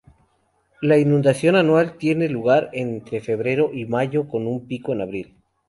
La inundación anual tiene lugar entre febrero y mayo con un pico en abril.